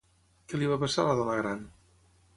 Què li va passar a la dona gran?